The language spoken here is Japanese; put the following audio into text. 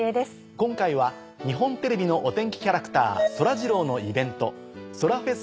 今回は日本テレビのお天気キャラクターそらジローのイベントそらフェス